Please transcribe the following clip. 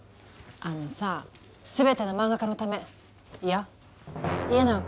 あのさ全ての漫画家のためいやイエナガ君。